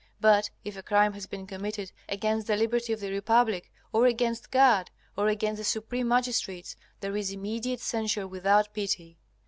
But if a crime has been committed against the liberty of the republic, or against God, or against the supreme magistrates, there is immediate censure without pity.